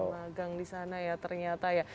magang di sana ya ternyata ya